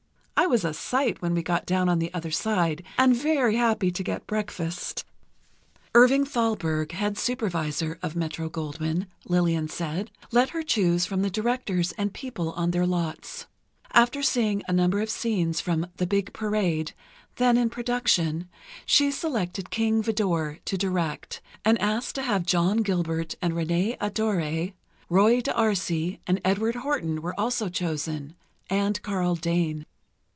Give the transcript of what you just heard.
I was a sight when we got down on the other side, and very happy to get breakfast." Irving Thalberg, head supervisor of the Metro Goldwyn, Lillian said, let her choose from the directors and people on their lots. After seeing a number of scenes from "The Big Parade," then in production, she selected King Vidor, to direct, and asked to have John Gilbert and Renée Adorée. Roy d'Arcy and Edward Horton were also chosen, and Karl Dane.